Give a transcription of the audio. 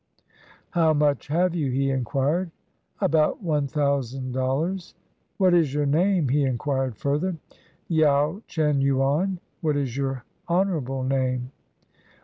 "How much have you?" he inquired. "About one thousand dollars." "What is your name?" he inquired further. "Yao Chen yuan. What is your honorable name?"